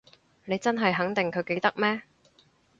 你真係肯定佢記得咩？